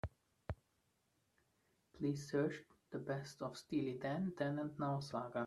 Please search The Best of Steely Dan: Then and Now saga.